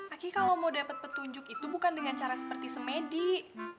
aki kalau mau dapet petunjuk itu bukan dengan cara seperti se medik